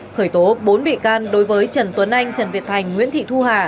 khởi tố bốn bị can đối với trần tuấn anh trần việt thành nguyễn thị thu hà